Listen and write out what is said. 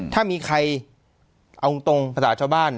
ถ้ามีใครเอาตรงภาษาชาวบ้าน